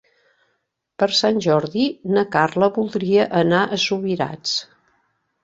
Per Sant Jordi na Carla voldria anar a Subirats.